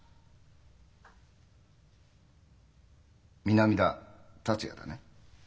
南田達也だね？